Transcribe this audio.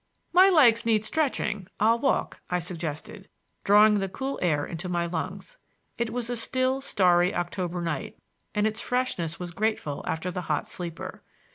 "My legs need stretching; I'll walk," I suggested, drawing the cool air into my lungs. It was a still, starry October night, and its freshness was grateful after the hot sleeper.